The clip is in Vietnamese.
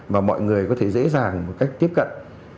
mà mọi người có thể dễ dàng một cách tiếp cận